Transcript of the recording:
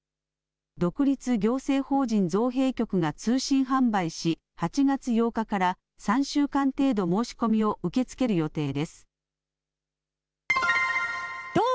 独立行政法人造幣局が通信販売し８月８日から３週間程度申し込みを受け付ける予定です。